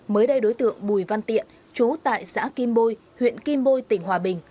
mới đây đối tượng bùi văn tiện chú tại xã kim bôi huyện kim bôi tỉnh hòa bình